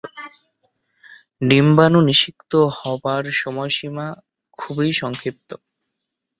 ডিম্বাণু নিষিক্ত হবার সময়সীমা খুবই সংক্ষিপ্ত।